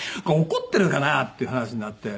怒ってるかなっていう話になって。